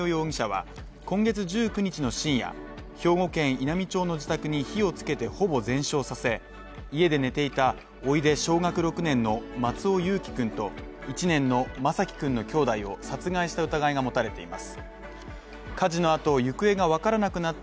殺人と放火の疑いで逮捕された無職の松尾留与容疑者は今月１９日の深夜、兵庫県稲美町の自宅に火をつけてほぼ全焼させ家で寝ていた小学６年の松尾侑城くんと１年の眞輝君の兄弟を殺害した疑いが持たれています。